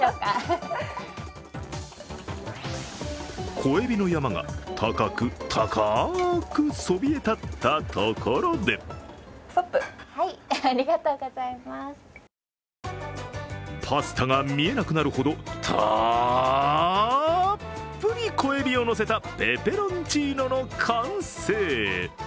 小えびの山が高く高くそびえたったところでパスタが見えなくなるほどたっぷり小えびをのせたペペロンチーノの完成。